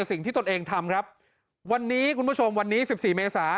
ตนเองทำครับวันนี้คุณผู้ชมวันนี้สิบสี่เมษา